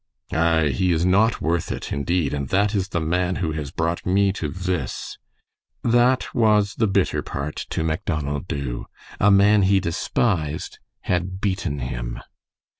"Aye, he is not worth it, indeed, and that is the man who has brought me to this." That was the bitter part to Macdonald Dubh. A man he despised had beaten him.